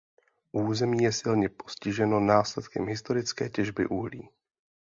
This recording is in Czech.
Území je silně postiženo následkem historické těžby uhlí.